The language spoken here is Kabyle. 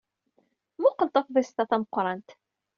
Mmuqqel tafḍist-a tameqrant.